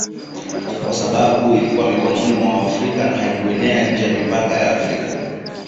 kwa sababu ilikuwa mikononi mwa Waafrika na haikuenea nje ya mipaka ya Afrika